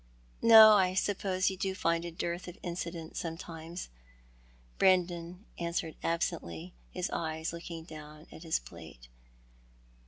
" No, I suppose you do find a dearth of incident sometimes," Brandon answered absently, his eyes looking down at his plate.